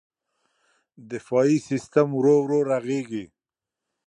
دفاعي سیستم ورو ورو رغېږي.